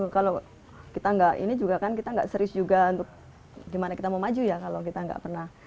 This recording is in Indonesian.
kalau kita gak serius juga untuk dimana kita mau maju ya kalau kita gak pernah